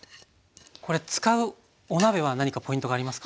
これ使うお鍋は何かポイントがありますか？